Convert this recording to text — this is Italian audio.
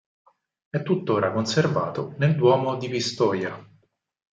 È tuttora conservato nel duomo di Pistoia.